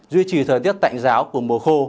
duy trì thời tiết tạnh ráo cùng mùa khô